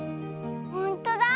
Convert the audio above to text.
ほんとだ。